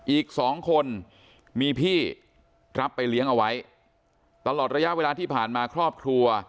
อีกสองคนมีพี่รับไปเลี้ยงเอาไว้ตลอดระยะเวลาที่ผ่านมาครอบครัว